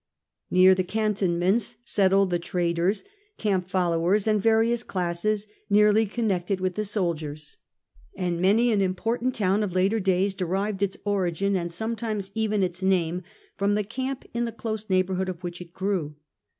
Near the cantonments settled the traders, camp followers, and various classes nearly connected with the soldiers, and many an important town of later days derived its origin, and sometimes even its name, from the camp in the close neighbourhood of which it grew.